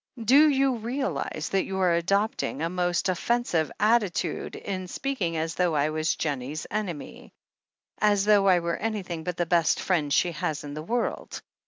"Do you realize that you're adopting a most offensive attitude in speaking as though I was Jennie's enemy — as though I were anything but the best friend she has in the world?